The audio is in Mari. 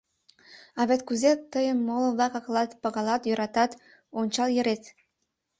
А вет кузе тыйым моло-влак аклат, пагалат, йӧратат — ончал йырет.